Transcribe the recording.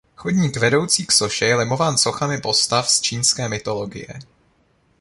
Chodník vedoucí k soše je lemován sochami postav z čínské mytologie.